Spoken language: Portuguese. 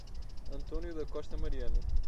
Antônio da Costa Mariano